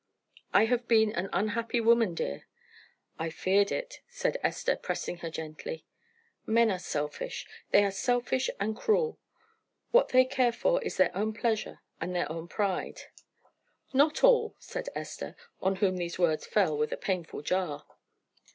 "I have been an unhappy woman, dear." "I feared it," said Esther, pressing her gently. "Men are selfish. They are selfish and cruel. What they care for is their own pleasure and their own pride." "Not all," said Esther, on whom these words fell with a painful jar.